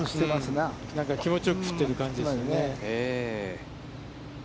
なんか気持ちよく振っている感じですね。